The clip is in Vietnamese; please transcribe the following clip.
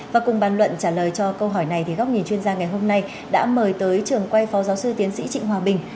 và cùng bàn luận trả lời cho câu hỏi này thì góc nhìn chuyên gia ngày hôm nay đã mời tới trường quay phó giáo sư tiến sĩ trịnh hòa bình